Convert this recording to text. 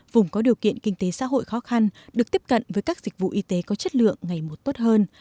vùng có điều kiện kinh tế xã hội khó khăn được tiếp cận với các dịch vụ y tế có chất lượng ngày một tốt hơn